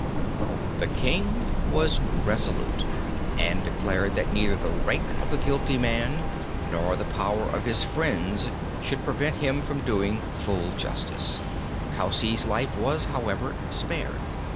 The king was resolute, and declared that neither the rank of the guilty man nor the power of his friends should prevent him from doing full justice. Coucy's life was, however, spared.